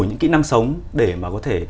những kỹ năng sống để mà có thể